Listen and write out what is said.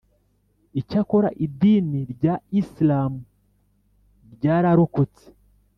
icyakora idini rya isilamu ryararokotse